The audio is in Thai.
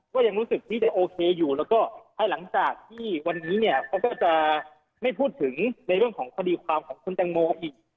ก็ยังรู้สึกที่จะโอเคอยู่แล้วก็ภายหลังจากที่วันนี้เนี่ยเขาก็จะไม่พูดถึงในเรื่องของคดีความของคุณแตงโมอีก